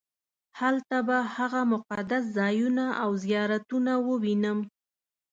هلته به هغه مقدس ځایونه او زیارتونه ووینم.